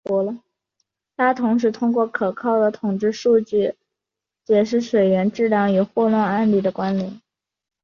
他同时通过可靠的统计数据解释水源质量与霍乱案例的关联。